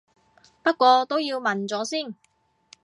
不過都要問咗先